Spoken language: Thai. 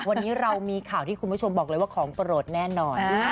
วันนี้เรามีข่าวที่คุณผู้ชมบอกเลยว่าของโปรดแน่นอน